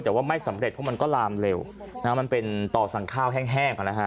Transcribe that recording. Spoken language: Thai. แต่ว่าไม่สำเร็จเพราะมันก็ลามเร็วนะฮะมันเป็นต่อสั่งข้าวแห้งแห้งค่ะนะฮะ